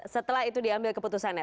setelah itu diambil keputusannya